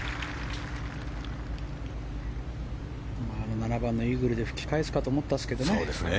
７番のイーグルで吹き返すかと思ったんですけどね。